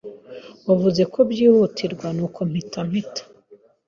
Wavuze ko byihutirwa, nuko mpita mpita.